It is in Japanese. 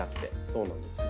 そうなんですよ。